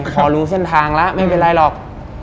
พอรู้เส้นทางแล้วไม่เป็นไรหรอก